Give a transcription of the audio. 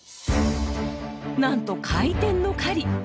なんと「回転の狩り」！